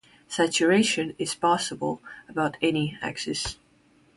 Saturation is possible about any axis.